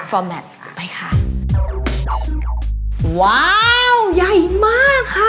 ฟอร์แมทไปค่ะว้าวใหญ่มากค่ะ